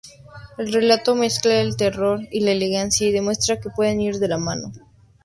El relato mezcla terror y elegancia y demuestra que pueden ir de la mano.